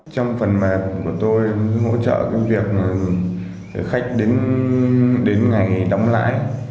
trong phần mềm của tôi hỗ trợ việc khách đến ngày đóng lãi